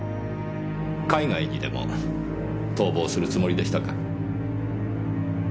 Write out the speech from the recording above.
海外にでも逃亡するつもりでしたか？